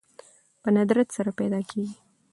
په ندرت سره پيدا کېږي